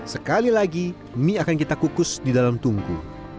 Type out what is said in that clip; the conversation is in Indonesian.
sekali lagi mie akan kita kukus di dalam tungku